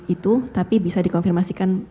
itu tapi bisa dikonfirmasikan